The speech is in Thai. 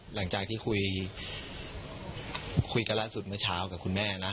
หลังจากที่คุยกันล่าสุดเมื่อเช้ากับคุณแม่นะ